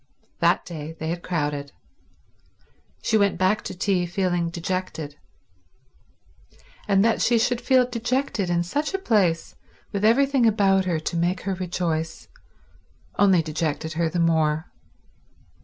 That day they had crowded. She went back to tea feeling dejected, and that she should feel dejected in such a place with everything about her to make her rejoice, only dejected her the more.